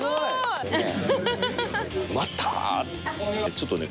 ちょっとね